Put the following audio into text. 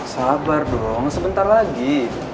sabar dong sebentar lagi